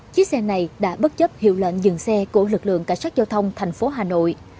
chiếc xe này đã bất chấp hiệu lệnh dừng xe của lực lượng cảnh sát giao thông thành phố hà nội